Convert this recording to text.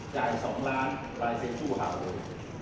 จ่าย๒ล้านรายเซ็นต์ผู้ห่าวเลย